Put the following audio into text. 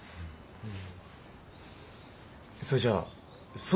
うん。